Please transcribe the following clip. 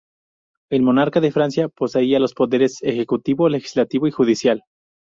El monarca de Francia poseía los poderes ejecutivo, legislativo y judicial.